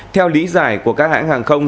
theo lý giải của các hãng hàng không